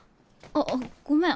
あっごめん。